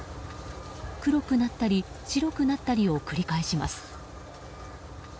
黒くなったり白くなったりを繰り返します。